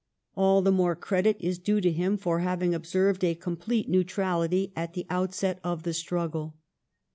All the more credit is due to him for having observed a complete ' neutrality at the outset of the struggle.